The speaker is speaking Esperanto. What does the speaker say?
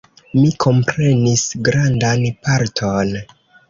Mi komprenis grandan parton.